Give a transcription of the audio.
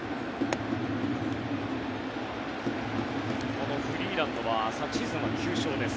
このフリーランドは昨シーズンは９勝です。